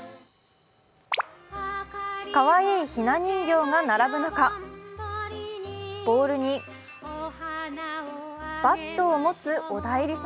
かわいいひな人形が並ぶ中、ボールにバットを持つお内裏様？